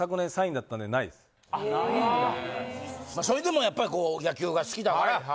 それでもやっぱりこう野球が好きだから。